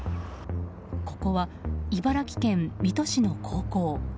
ここは、茨城県水戸市の高校。